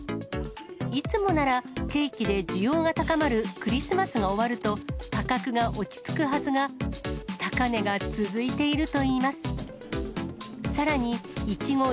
いつもなら、ケーキで需要が高まるクリスマスが終わると、価格が落ち着くはずが、高値が続いているといいます。